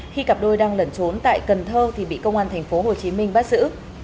khi cặp đôi đang lẩn trốn tại cần thơ thì bị công an tp hcm bắt giữ